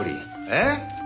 えっ？